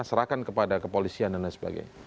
serahkan kepada kepolisian dan lain sebagainya